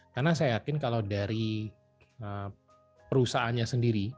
karena saya yakin kalau dari perusahaannya sendiri